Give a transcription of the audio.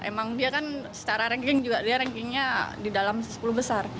emang dia kan secara ranking juga dia rankingnya di dalam sepuluh besar